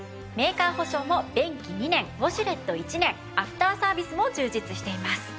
メーカー保証も便器２年ウォシュレット１年アフターサービスも充実しています。